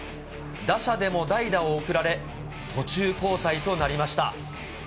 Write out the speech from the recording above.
打者でも代打を送られ、途中交代となりました。